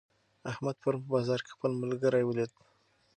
احمد پرون په بازار کې خپل ملګری ولید.